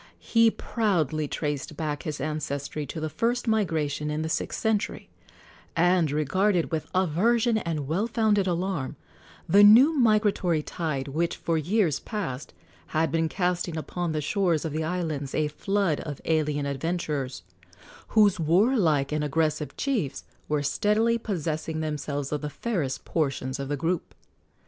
He proudly traced back his ancestry to the first migration in the sixth century, and regarded with aversion and well founded alarm the new migratory tide which for years past had been casting upon the shores of the islands a flood of alien adventurers, whose warlike and aggressive chiefs were steadily possessing themselves of the fairest portions of the group.